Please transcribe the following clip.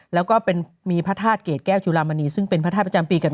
แล้วก็มีพระธาตุเกรดแก้วจุลามณีซึ่งเป็นพระธาตุประจำปีเกิด